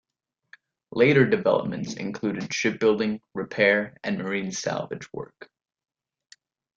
Later developments included shipbuilding, repair and marine salvage work.